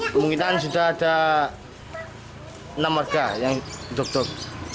kemungkinan sudah ada enam warga yang duduk duduk